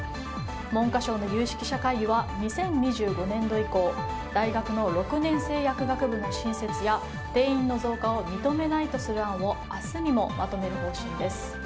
文科省の有識者会議は２０２５年度以降大学の６年制薬学部の新設や定員の増加を認めないとする案を明日にもまとめる方針です。